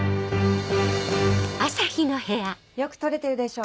よく撮れてるでしょ